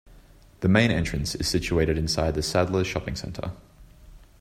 The main entrance is situated inside the Saddlers Shopping Centre.